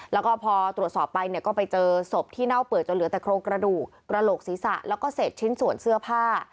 แล้วก็พอตรวจสอบไปเนี่ยก็ไปเจอศพที่เน่าเปื่อยจนเหลือแต่โครงกระดูกกระโหลกศีรษะแล้วก็เศษชิ้นส่วนเสื้อผ้า